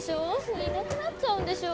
いなくなっちゃうんでしょ？